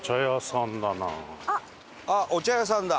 あっお茶屋さんだ。